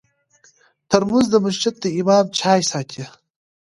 ترموز د مسجد د امام چای ساتي.